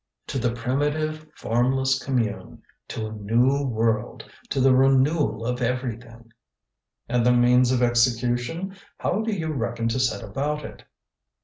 "To the primitive formless commune, to a new world, to the renewal of everything." "And the means of execution? How do you reckon to set about it?"